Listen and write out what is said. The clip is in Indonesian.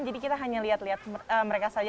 jadi kita hanya lihat lihat mereka saja